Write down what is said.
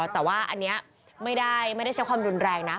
แต่ว่าอันนี้ไม่ได้ใช้ความรุนแรงนะ